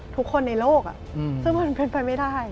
ทุกคนในโลกซึ่งมันเป็นไปไม่ได้